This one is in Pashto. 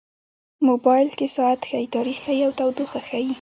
موبایل کې ساعت ښيي، تاریخ ښيي، او تودوخه ښيي.